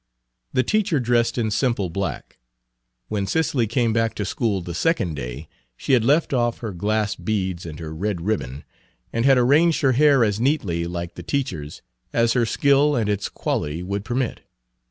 The teacher dressed in simple black. When Cicely came back to school the second day, she had left off her glass beads and her red ribbon, and had arranged her hair as nearly like the teacher's as her skill and its quality would permit.